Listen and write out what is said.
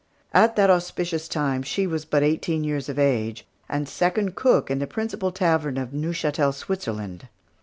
At that auspicious time, she was but eighteen years of age, and second cook in the principal tavern of Neuchatel, Switzerland.